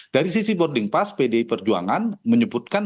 dari sisi boarding pass pdi perjuangan menyebutkan